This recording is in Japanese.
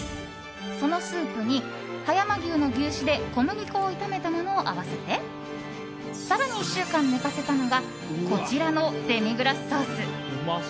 そのスープに、葉山牛の牛脂で小麦粉を炒めたものを合わせて更に１週間寝かせたのがこちらのデミグラスソース。